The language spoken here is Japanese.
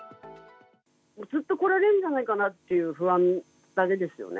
ずっと来られるんじゃないかなっていう不安だけですよね。